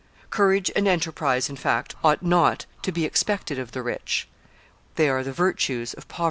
Courage and enterprise, in fact, ought not to be expected of the rich; they are the virtues of poverty.